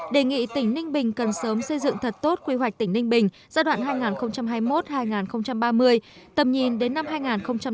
đề nghị tỉnh ninh bình cần sớm xây dựng thật tốt quy hoạch tỉnh ninh bình giai đoạn hai nghìn hai mươi một hai nghìn ba mươi tầm nhìn đến năm hai nghìn năm mươi